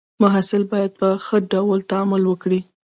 محصل باید په ښه ډول تعامل وکړي.